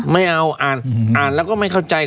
ไม่เอาอ่านอ่านแล้วก็ไม่เข้าใจ